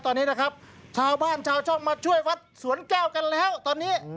ตอนนี้นะครับชาวบ้านชาวช่องมาช่วยวัดสวนแก้วกันแล้วตอนนี้